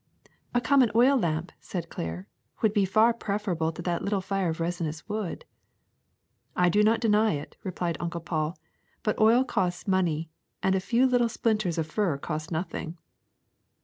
'' *^A common oil lamp,'' said Claire, would be far preferable to that little fire of resinous wood. '' ^^I do not deny it,'' replied Uncle Paul; ^^but oil costs money, and a few little splinters of fir cost nothing.